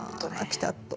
ピタッと。